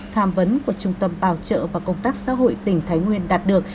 tham vấn của trung tâm bảo trợ và công tác xã hội tỉnh thái nguyên đạt được